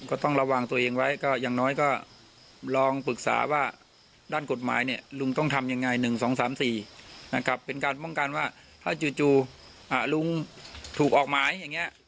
ก็ต้องระวังตัวเองไว้ก็อย่างน้อยก็ลองปรึกษาว่าด้านกฎหมายเนี่ยลุงต้องทำยังไง๑๒๓๔นะครับเป็นการป้องกันว่าถ้าจู่ลุงถูกออกหมายอย่างนี้